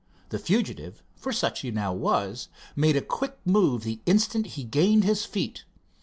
The fugitive, for such he now was, made a quick move the instant he gained his feet.